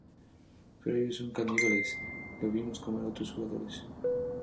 Pero ellos son caníbales. Los vimos comer a otros juguetes.